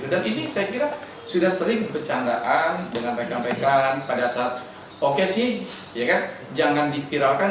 dan ini saya kira sudah sering bercandaan dengan mereka mereka pada saat oke sih jangan dipiralkan